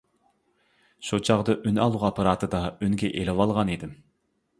شۇ چاغدا ئۈنئالغۇ ئاپپاراتىدا ئۈنگە ئېلىۋالغان ئىدىم.